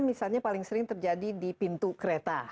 misalnya paling sering terjadi di pintu kereta